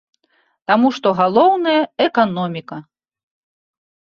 Таму што галоўнае эканоміка!